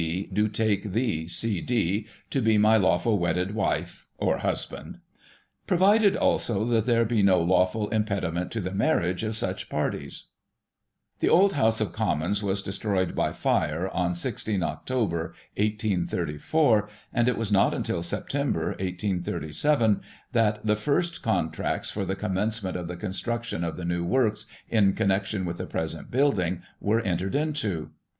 B., do take thee, C. D., to be my lawful wedded Wife [or Husband].* " Provided also, that there be no lawful Impediment to the Marriage of such Parties." The old House of Commons was destroyed by fire on 16 Oct., 1834, and it was not until September, 1837, that the 2 Digiti ized by Google i8 GOSSIP. [1837 first contracts for the commencement of the construction of the new works, in connection with the present building, were entered into.